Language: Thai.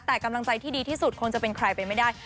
แต่กำลังใจที่ดีที่สุดคงจะเป็นใครไปไม่ได้